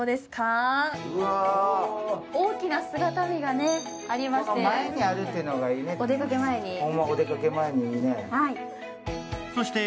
大きな姿見がありまして。